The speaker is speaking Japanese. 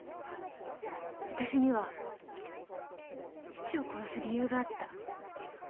わたしには父を殺す理由があった。